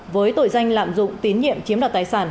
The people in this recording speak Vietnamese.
với tội danh lạm dụng tín nhiệm chiếm đoạt tài sản